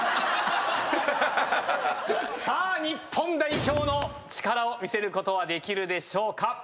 さあ日本代表の力を見せることはできるでしょうか？